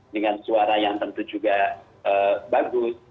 dengan suara yang tentu juga bagus